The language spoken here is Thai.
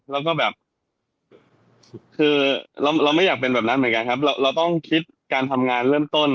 แล้วก็แบบคือเราไม่อยากเป็นแบบนั้นเหมือนกันครับเราต้องคิดการทำงานเริ่มต้น